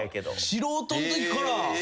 素人のときから。